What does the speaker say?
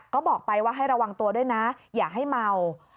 ก็บอกไปว่าให้ระวังตัวด้วยนะอย่าให้เมา